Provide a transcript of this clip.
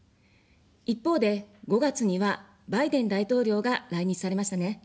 一方で、５月にはバイデン大統領が来日されましたね。